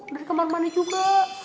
dari kamar mandi juga